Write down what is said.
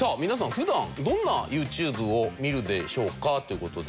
普段どんなＹｏｕＴｕｂｅを見るでしょうか？という事で。